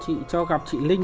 chị cho gặp chị linh ạ